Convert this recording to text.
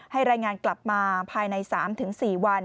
รายงานกลับมาภายใน๓๔วัน